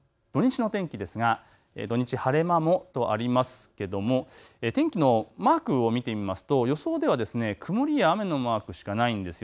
土日の天気ですが土日晴れ間もとありますけども天気のマークを見てみますと予想では曇りや雨のマークしかないんです。